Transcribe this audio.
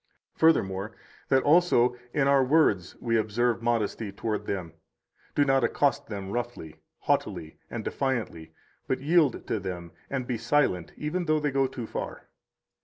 110 Furthermore, that also in our words we observe modesty toward them, do not accost them roughly, haughtily, and defiantly, but yield to them and be silent, even though they go too far.